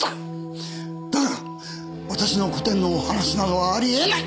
だから私の個展の話などあり得ない！